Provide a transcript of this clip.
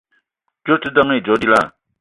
Djeue ote ndeng edo djila?